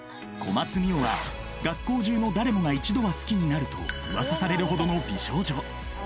小松澪は学校中の誰もが一度は好きになるとうわさされるほどの美少女。